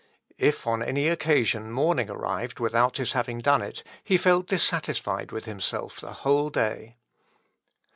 If on any occasion morning arrived without his having done it, he felt dissatisfied with himself the whole day.